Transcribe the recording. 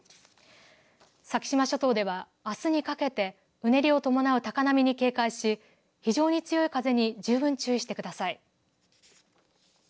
先島諸島ではあすにかけてうねりを伴う高波に警戒し非常に強い風に十分注意してください。